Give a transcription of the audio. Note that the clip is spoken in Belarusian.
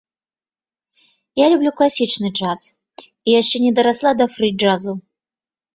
Я люблю класічны джаз, і яшчэ не дарасла да фры джазу.